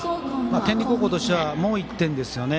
天理高校としてはもう１点ですよね。